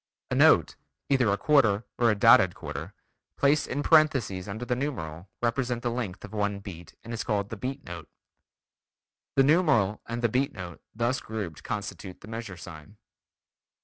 A note, either a quarter or a dotted quarter, placed in parenthesis under the numeral, represents the length of one beat and is called the beat note. The numeral and the beat note thus grouped constitute the measure sign.